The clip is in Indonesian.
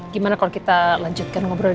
gimana kalau kita lanjutkan ngobrol di cafe